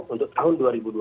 untuk tahun dua ribu dua puluh